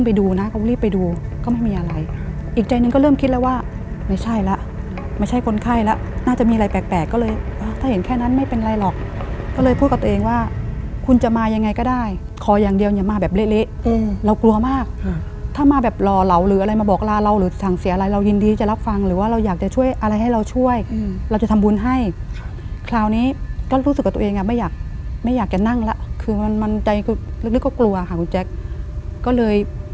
แปลกก็เลยถ้าเห็นแค่นั้นไม่เป็นไรหรอกก็เลยพูดกับตัวเองว่าคุณจะมายังไงก็ได้คอยังเดียวอย่ามาแบบเละเรากลัวมากถ้ามาแบบรอเราหรืออะไรมาบอกลาเราหรือสั่งเสียอะไรเรายินดีจะรับฟังหรือว่าเราอยากจะช่วยอะไรให้เราช่วยเราจะทำบุญให้คราวนี้ก็รู้สึกกับตัวเองไม่อยากไม่อยากจะนั่งแล้วคือมันใจลึกก็กลัวค่ะคุณแจ